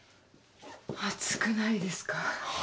暑くないですか？